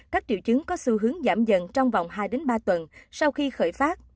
các triệu chứng có xu hướng giảm dần trong vòng hai ba tuần sau khi khởi phát